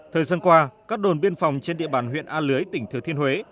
thời gian qua các đồn biên phòng trên địa bàn huyện a lưới tỉnh thừa thiên huế